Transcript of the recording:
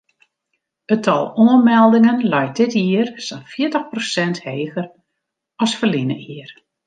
It tal oanmeldingen leit dit jier sa'n fjirtich prosint heger as ferline jier.